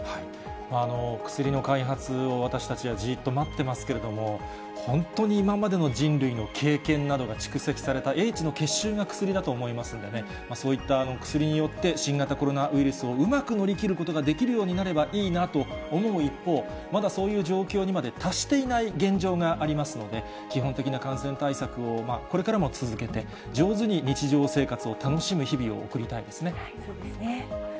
薬の開発を、私たちはじーっと待ってますけれども、本当に今までの人類の経験などが蓄積された英知の結集が薬だと思いますんでね、そういった薬によって、新型コロナウイルスをうまく乗り切ることができるようになればいいなと思う一方、まだそういう状況にまで達していない現状がありますので、基本的な感染対策をこれからも続けて、上手に日常生活を楽しむ日そうですね。